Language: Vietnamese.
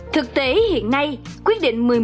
thực tế hiện nay quyết định một mươi một